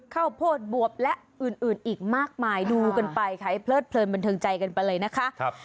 ข้าวโพดบวบและอื่นอีกมากมายดูกันไปค่ะให้เพลิดเลินบันเทิงใจกันไปเลยนะคะ